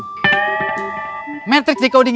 protekara kode rasia melalui sistem metrik